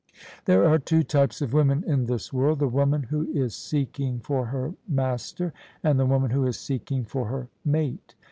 There are two types of women in this world : the woman who is seeking for her master, and the woman who is seek ing for her mate.